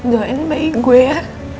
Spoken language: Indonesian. doin baik gue ya